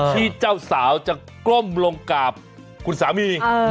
ที่เจ้าสาวจะก้มลงกราบคุณสามี